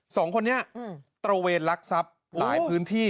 สองคนนี้ตระเวนลักทรัพย์หลายพื้นที่